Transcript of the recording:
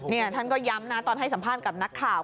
นี่ท่านก็ย้ำนะตอนให้สัมภาษณ์กับนักข่าว